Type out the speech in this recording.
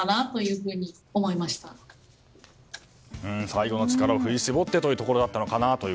最後の力を振り絞ってというところだったのかと。